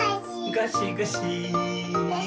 ゴシゴシ。